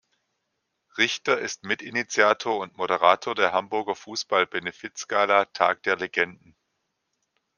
Richter ist Mit-Initiator und Moderator der Hamburger Fußball-Benefiz-Gala „Tag der Legenden“.